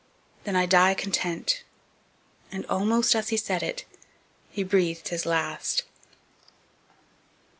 'Then I die content!' and, almost as he said it, he breathed his last.